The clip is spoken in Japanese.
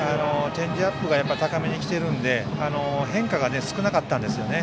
チェンジアップが高めにきているので変化が少なかったんですね。